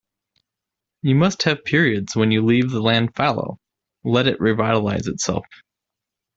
You must have periods when you leave the land fallow, let it revitalize itself.